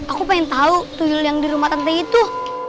aku pengen tahu tuyul yang di rumah tante itu